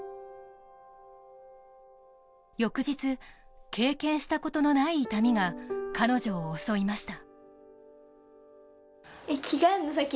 翌日、経験したことのない痛みが彼女を襲いました。